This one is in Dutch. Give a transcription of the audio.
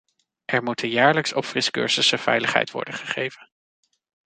Er moeten jaarlijks opfriscursussen veiligheid worden gegeven.